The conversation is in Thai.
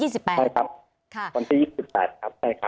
ใช่ครับวันที่๒๘ครับ